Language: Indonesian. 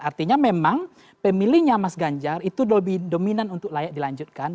artinya memang pemilihnya mas ganjar itu lebih dominan untuk layak dilanjutkan